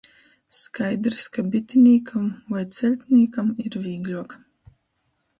Skaidrys, ka bitinīkam voi ceļtnīkam ir vīgļuok.